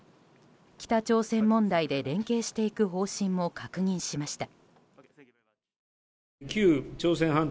北朝鮮問題で連携していく方針も確認しました。